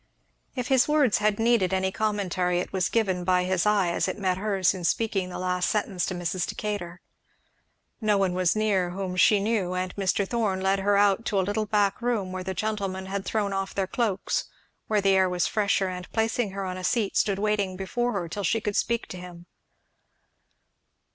If his words had needed any commentary it was given by his eye as it met hers in speaking the last sentence to Mrs. Decatur. No one was near whom she knew and Mr. Thorn led her out to a little back room where the gentlemen had thrown off their cloaks, where the air was fresher, and placing her on a seat stood waiting before her till she could speak to him.